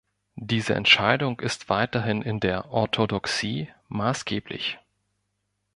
Diese Entscheidung ist weiterhin in der Orthodoxie maßgeblich.